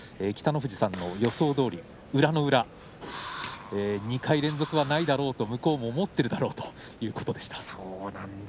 北の富士さんの予想どおり裏の裏２回連続はないだろうと向こうも思っているだろうということでした。